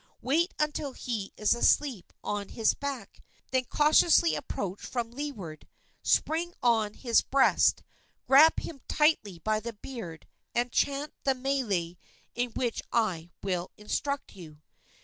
Wait until he is asleep on his back; then cautiously approach from the leeward, spring on his breast, grasp him tightly by the beard, and chant the mele in which I will instruct you."